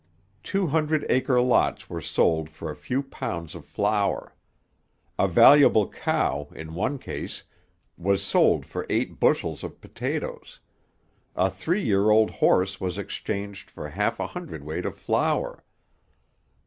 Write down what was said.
Two hundred acre lots were sold for a few pounds of flour. A valuable cow, in one case, was sold for eight bushels of potatoes; a three year old horse was exchanged for half a hundredweight of flour.